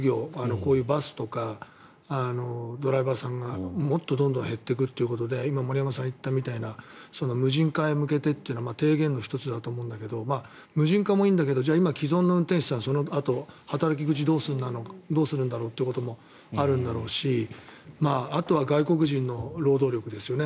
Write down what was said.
こういうバスとかドライバーさんがもっとどんどん減っていくということで今、森山さんが言ったみたいな無人化へ向けてというのは提言の１つだと思うんだけど無人化もいいんだけど今、既存の運転手さんそのあと、働き口どうするんだろうっていうこともあるんだろうしあとは外国人の労働力ですよね。